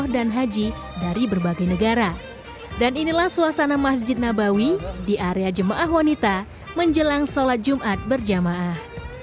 di area jemaah wanita menjelang solat jumat berjamaah